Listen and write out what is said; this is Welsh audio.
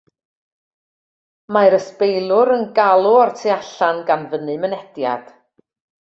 Mae'r ysbeiliwr yn galw o'r tu allan, gan fynnu mynediad.